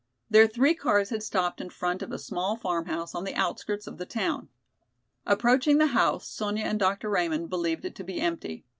Their three cars had stopped in front of a small farmhouse on the outskirts of the town. Approaching the house, Sonya and Dr. Raymond believed it to be empty.